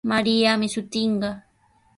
Mariami shutinqa.